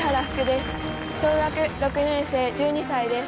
小学６年生１２歳です。